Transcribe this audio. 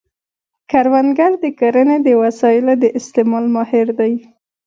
کروندګر د کرنې د وسایلو د استعمال ماهر دی